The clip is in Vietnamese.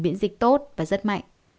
biến dịch tốt và rất mạnh